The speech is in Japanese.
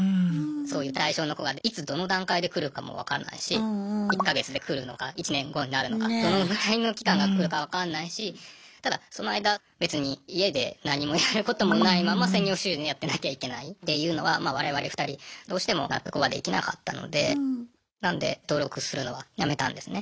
そういう対象の子がいつどの段階で来るかも分からないし１か月で来るのか１年後になるのかどのぐらいの期間が来るか分かんないしただその間別に家で何もやることもないまま専業主婦やってなきゃいけないっていうのは我々２人どうしても納得はできなかったのでなので登録するのはやめたんですね。